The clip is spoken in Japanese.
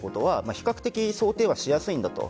比較的、想定はしやすいんだと。